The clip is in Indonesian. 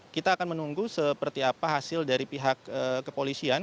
kita akan menunggu seperti apa hasil dari pihak kepolisian